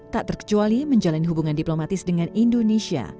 tak terkecuali menjalin hubungan diplomatis dengan indonesia